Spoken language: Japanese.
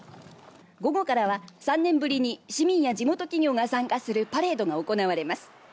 午後からは３年ぶりに市民や地元企業が参加するパレードが行われます。